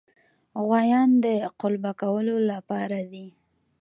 غوایان د قلبه کولو لپاره دي.